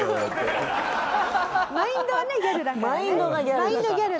でもマインドがギャル。